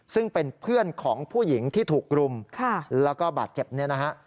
ซึ่งเป็นเพื่อนของผู้หญิงที่ถูกรุมแล้วก็บาดเจ็บเนี่ยนะฮะ